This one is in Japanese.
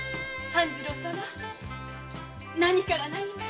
半次郎様何から何まで。